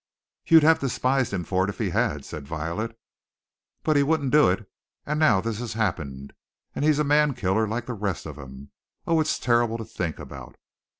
"You'd have despised him for it if he had," said Violet. "But he wouldn't do it, and now this has happened, and he's a man killer like the rest of them. Oh it's terrible to think about!"